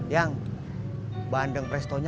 yang bandeng prestonya